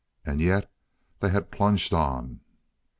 And yet they had plunged on.